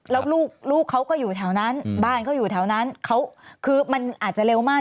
แล้วลูกเขาก็อยู่แถวนั้นบ้านเขาอยู่แถวนั้นเขาคือมันอาจจะเร็วมาก